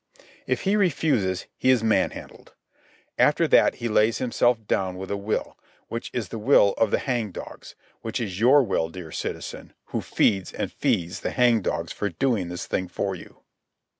If he refuses, he is man handled. After that he lays himself down with a will, which is the will of the hang dogs, which is your will, dear citizen, who feeds and fees the hang dogs for doing this thing for you.